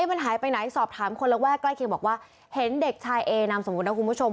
มันหายไปไหนสอบถามคนระแวกใกล้เคียงบอกว่าเห็นเด็กชายเอนามสมมุตินะคุณผู้ชม